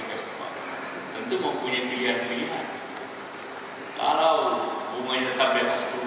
apakah berapa harga berjalan